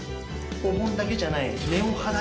お盆だけじゃない。